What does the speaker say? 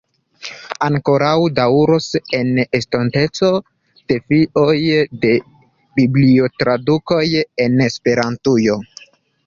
Ankoraŭ daŭros en estonteco defioj de Biblio-tradukoj en Esperantujo.